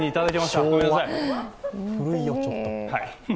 昭和、古いよ、ちょっと。